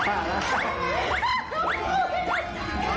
ย้ำย้ำย้ำ